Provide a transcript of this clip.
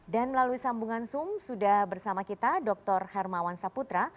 dan melalui sambungan zoom sudah bersama kita dr hermawan saputra